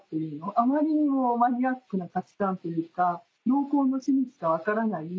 あまりにもマニアックな価値観っていうか同好の士にしか分からない